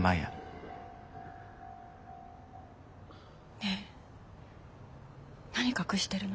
ねえ何隠してるの？